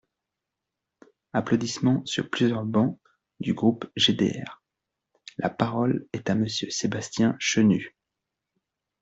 (Applaudissements sur plusieurs bancs du groupe GDR.) La parole est à Monsieur Sébastien Chenu.